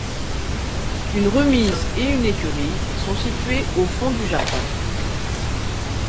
Une remise et une écurie sont situées au fond du jardin.